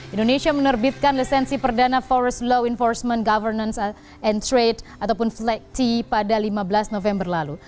indonesia menerbitkan lisensi perdana forest law enforcement governance and trade ataupun flagt pada lima belas november lalu